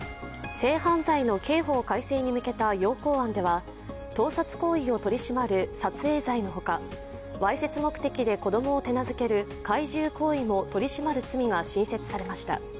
性犯罪の刑法改正に向けた要綱案では盗撮行為を取り締まる撮影罪のほかわいせつ目的で子供を手なづける懐柔行為も取り締まる罪が新設されました。